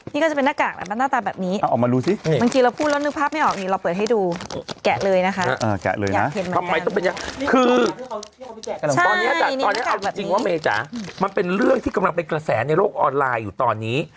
นี่ก็จะเป็นหน้ากากหน้าตาแบบนี้